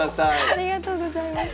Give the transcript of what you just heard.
ありがとうございます。